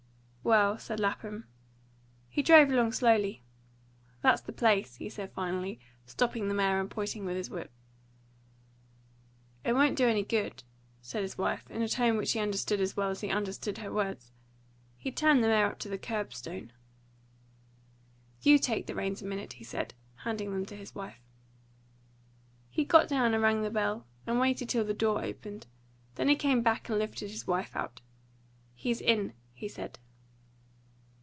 "Well," said Lapham. He drove along slowly. "That's the place," he said finally, stopping the mare and pointing with his whip. "It wouldn't do any good," said his wife, in a tone which he understood as well as he understood her words. He turned the mare up to the curbstone. "You take the reins a minute," he said, handing them to his wife. He got down and rang the bell, and waited till the door opened; then he came back and lifted his wife out. "He's in," he said.